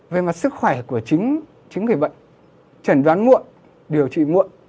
về mặt sức khỏe của chính người bệnh chẩn đoán muộn điều trị muộn